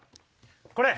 これ。